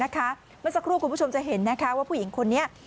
เมื่อสักครู่คุณผู้ชมจะเห็นว่าผู้หญิงคนนี้